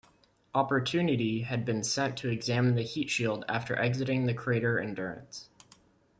"Opportunity" had been sent to examine the heat shield after exiting the crater Endurance.